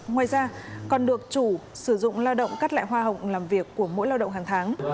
ngoài ra còn được chủ sử dụng lao động cắt lại hoa hồng làm việc của mỗi lao động hàng tháng